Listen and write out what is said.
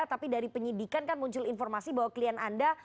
tapi dari penyidikan kan muncul informasi bahwa klien anda